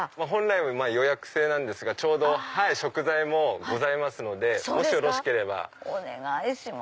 本来は予約制なんですがちょうど食材もございますのでもしよろしければ。